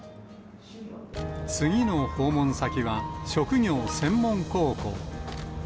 次の訪問先は職業専門高校。